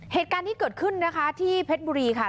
เหตุการณ์นี้เกิดขึ้นนะคะที่เพชรบุรีค่ะ